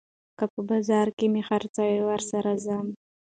که په بازار مې خرڅوي، ورسره ځمه